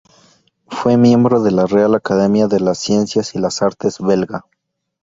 Fue miembro de la Real Academia de las Ciencias y las Artes Belga.